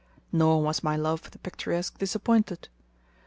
Nor was my love for the picturesque disappointed.